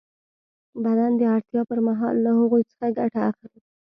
بدن د اړتیا پر مهال له هغوی څخه ګټه اخلي.